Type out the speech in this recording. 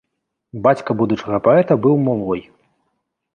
Бацька будучага паэта быў мулой.